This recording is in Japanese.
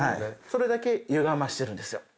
それだけゆがましてるんですよ。